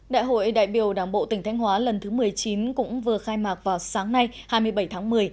đại hội đại biểu đảng bộ tỉnh thanh hóa lần thứ một mươi chín cũng vừa khai mạc vào sáng nay hai mươi bảy tháng một mươi